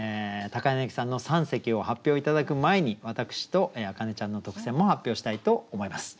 柳さんの三席を発表頂く前に私と明音ちゃんの特選も発表したいと思います。